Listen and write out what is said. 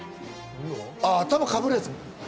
頭にかぶるやつ？